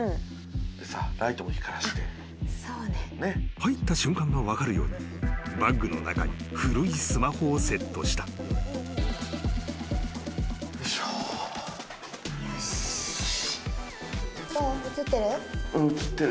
［入った瞬間が分かるようにバッグの中に古いスマホをセットした］映ってる。